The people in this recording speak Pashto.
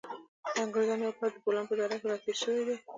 د انګریزانو یو پوځ د بولان په دره کې را تېر شوی دی.